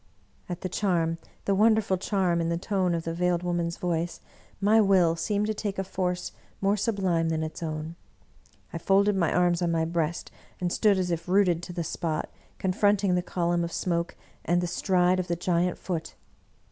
" At the charm, the wonderful charm, in the tone of the Veiled Woman's voice, my will seemed to take a force more sublime than its own. I folded my arms on my breast, and stood as if rooted to the spot, confronting the column of smoke and the stride of the giant Foot.